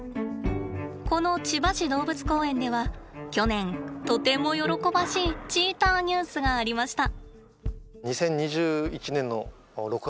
この千葉市動物公園では去年とても喜ばしいチーターニュースがありました。